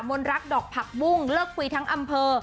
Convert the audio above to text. นรักดอกผักบุ้งเลิกคุยทั้งอำเภอ